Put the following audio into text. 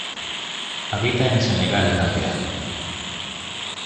Habita en Senegal y Gambia.